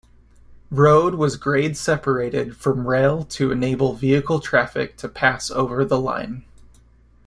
Road was grade-separated from rail to enable vehicle traffic to pass over the line.